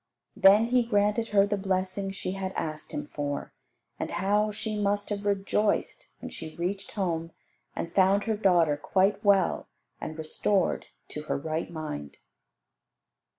Then He granted her the blessing she had asked Him for; and how she must have rejoiced when she reached home and found her daughter quite well and restored to her right mind.